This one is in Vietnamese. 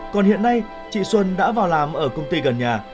còn hiện nay chị xuân đã vào làm ở công ty gần nhà